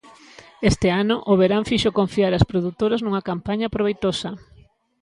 Este ano, o verán fixo confiar as produtoras nunha campaña proveitosa.